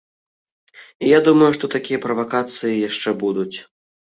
І я думаю, што такія правакацыі яшчэ будуць.